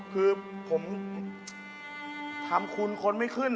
คือผมทำคุณคนไม่ขึ้น